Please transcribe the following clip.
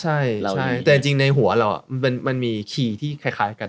ใช่แต่จริงในหัวเรามันมีคีย์ที่คล้ายกัน